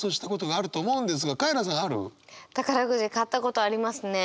宝くじ買ったことありますね。